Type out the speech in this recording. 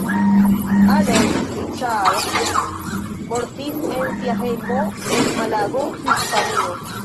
Allen Carr mortis en sia hejmo en Malago, Hispanio.